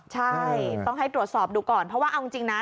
ใช่ต้องให้ตรวจสอบดูก่อนเพราะว่าเอาจริงนะ